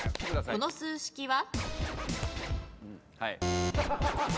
この数式は？